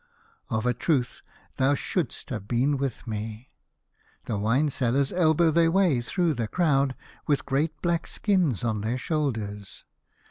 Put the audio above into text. " Of a truth thou should'st have been with me. The wine sellers elbow their way through the crowd with great black skins on their shoulders.